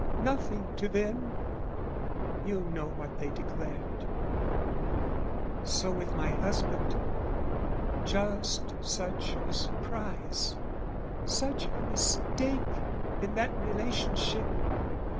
Nothing to them! You know what they declared. So with my husband, just such a surprise, Such a mistake, in that relationship!